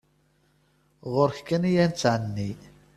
Ɣur-k kan ay nettɛenni.